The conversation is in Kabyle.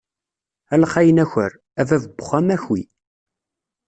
A lxayen aker, a bab n uxxam aki!